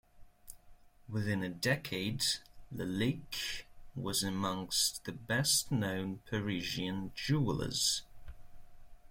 Within a decade, Lalique was amongst the best-known Parisian jewellers.